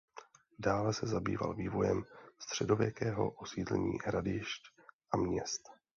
Dále se zabýval vývojem středověkého osídlení hradišť a měst.